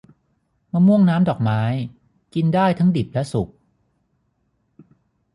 มะม่วงน้ำดอกไม้ กินได้ทั้งดิบและสุก